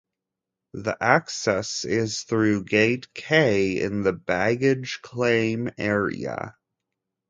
The access is through Gate K in the baggage claim area.